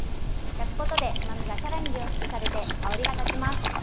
焼くことで、うまみがさらに凝縮されて香りが立ちます。